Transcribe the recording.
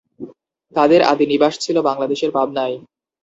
তাদের আদি নিবাস ছিল বাংলাদেশের পাবনায়।